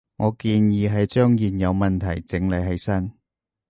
我建議係將現有問題整理起身